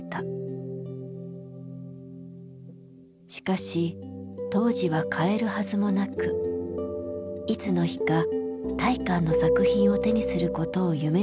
しかし当時は買えるはずもなくいつの日か大観の作品を手にすることを夢みるようになった。